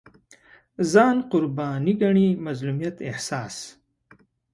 ځان قرباني ګڼي مظلومیت احساس